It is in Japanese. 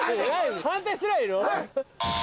判定すりゃいいの？